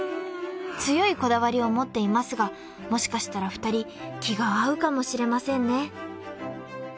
［強いこだわりを持っていますがもしかしたら２人気が合うかもしれませんね］